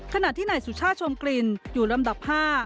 ขณะที่นายสุชาติชมกลิ่นอยู่ลำดับ๕